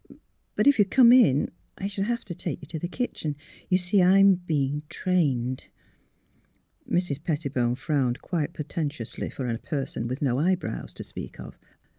'^ But if you come in I should have to take you to the kitchen. You see I'm being — trained." Mrs. Pettibone frowned quite portentously for a person with no eyebrows to speak of.